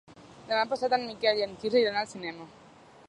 Demà passat en Miquel i en Quirze iran al cinema.